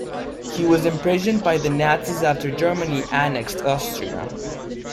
He was imprisoned by the Nazis after Germany annexed Austria.